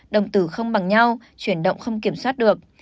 đồng tử không bằng nhau chuyển động không kiểm soát được